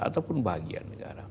ataupun bagian negara